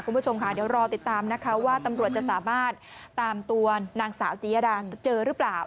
คุณผู้ชมค่ะเดี๋ยวรอติดตามนะคะว่าตำรวจจะสามารถตามตัวนางสาวจียดาเจอหรือเปล่า